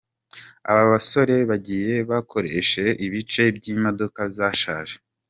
Aba basore bagiye bakoresha ibice by’imodoka zashaje.